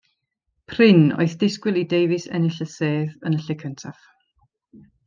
Prin oedd y disgwyl i Davies ennill y sedd yn y lle cyntaf.